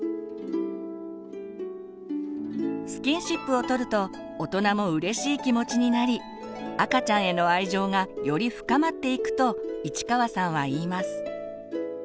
スキンシップを取ると大人もうれしい気持ちになり赤ちゃんへの愛情がより深まっていくと市川さんは言います。